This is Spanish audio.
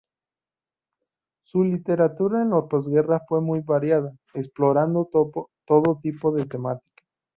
Su literatura en la posguerra fue muy variada, explorando todo tipo de temáticas.